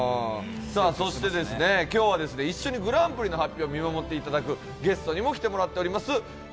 今日は一緒にグランプリの発表を見守っていただくゲストにも来ていただいております。